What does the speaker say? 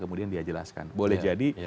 kemudian dia jelaskan boleh jadi